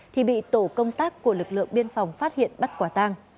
thì bị tổ công tác của lực lượng biên phòng phát hiện bắt quả tang